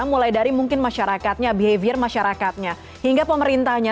mulai dari mungkin masyarakatnya behavior masyarakatnya hingga pemerintahnya